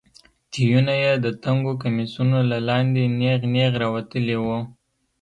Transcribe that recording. تيونه يې د تنګو کميسونو له لاندې نېغ نېغ راوتلي وو.